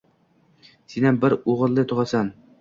Senam bir o`g`il tug`asan